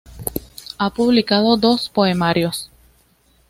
Ha publicado dos poemarios.